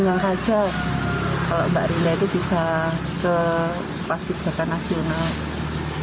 yang terakhir mbak rinda itu bisa ke pas ki braka nasional